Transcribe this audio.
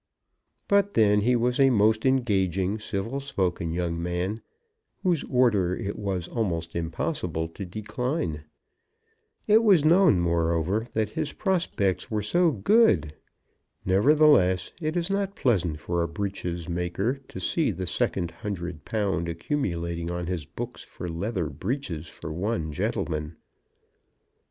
But then he was a most engaging, civil spoken young man, whose order it was almost impossible to decline. It was known, moreover, that his prospects were so good! Nevertheless, it is not pleasant for a breeches maker to see the second hundred pound accumulating on his books for leather breeches for one gentleman.